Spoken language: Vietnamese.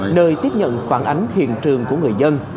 nơi tiếp nhận phản ánh hiện trường của người dân